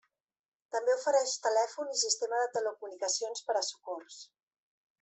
També ofereix telèfon i sistema de telecomunicacions per a socors.